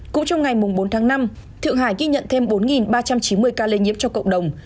cũng trong ngày bốn tháng năm thượng hải ghi nhận thêm bốn ba trăm chín mươi ca lây nhiễm cho cộng đồng